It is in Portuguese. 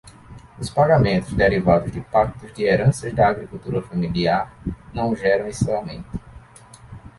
Os pagamentos derivados de pactos de heranças da agricultura familiar não geram esse aumento.